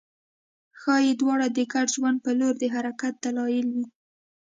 ښايي دواړه د ګډ ژوند په لور د حرکت دلایل وي